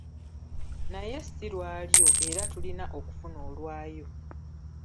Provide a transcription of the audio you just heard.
Naye ssi lwalyo era tulina okufuna olwayo